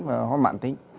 và ho mạng tính